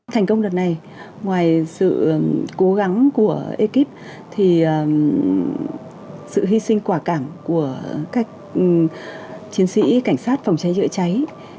thành công lần này ngoài sự cố gắng của ekip sự hy sinh quả cảm của các chiến sĩ cảnh sát phòng cháy dựa cháy